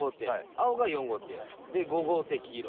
青が４号艇。で５号艇黄色。